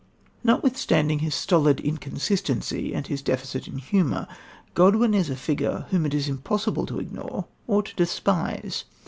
Notwithstanding his stolid inconsistency and his deficiency in humour, Godwin is a figure whom it is impossible to ignore or to despise.